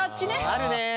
あるね。